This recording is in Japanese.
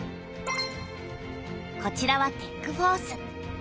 こちらは「テック・フォース」。